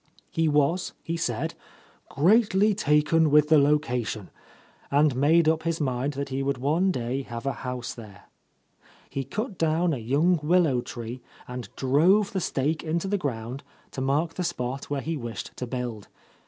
He was, he said, "greatly taken with the location," and made up his mind that he would one day have a house there. He cut down a young willow tree and drove the stake — A Lost Lady into the ground to mark the spot where he wished to build.